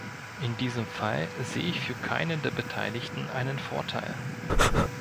In diesem Fall sehe ich für keinen der Beteiligten einen Vorteil.